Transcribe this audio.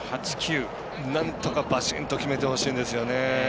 なんとか、バシン！と決めてほしいですよね。